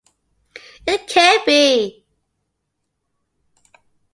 It can't be.